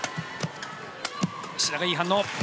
志田がいい反応。